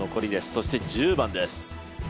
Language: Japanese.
そして１０番です。